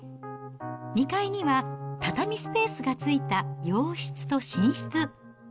２階には畳スペースがついた洋室と寝室。